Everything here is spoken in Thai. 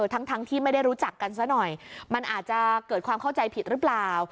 ทั้งที่ไม่ได้รู้จักกันซะหน่อยมันอาจจะเกิดความเข้าใจผิดหรือเปล่า